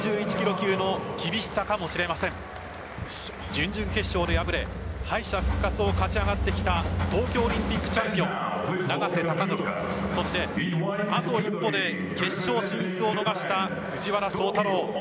準々決勝で敗れ敗者復活を勝ち上がってきた東京オリンピックチャンピオン永瀬貴規そして、あと一歩で決勝進出を逃した藤原崇太郎。